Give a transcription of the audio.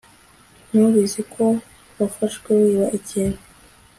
numvise ko wafashwe wiba ikintu